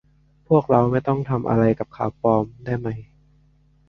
พวกเราไม่ต้องทำอะไรกับข่าวปลอมได้ไหม